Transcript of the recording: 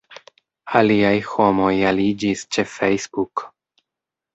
Aliaj homoj aliĝis ĉe Facebook.